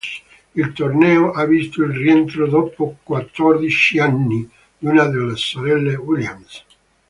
Il torneo ha visto il rientro, dopo quattordici anni, di una delle sorelle Williams.